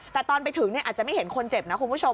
แต่ตอนไปถึงอาจจะไม่เห็นคนเจ็บนะคุณผู้ชม